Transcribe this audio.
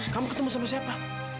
kamu ketemu sama siapa